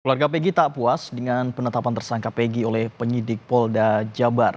keluarga pegi tak puas dengan penetapan tersangka pegi oleh penyidik polda jabar